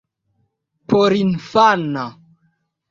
porinfana